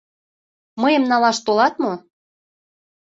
— Мыйым налаш толат мо?